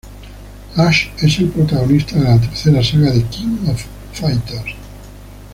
Ash es el protagonista de la tercera saga de King of Fighters.